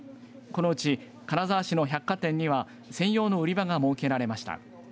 このうち金沢市の百貨店には専用の売り場が設けられました。